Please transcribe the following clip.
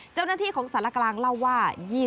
เจ้าหน้าที่ขอบสรรค์กรางเรรี่ยงว่า